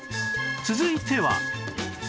続いては